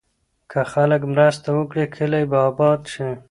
که خلک مرسته وکړي، کلي به اباد شي.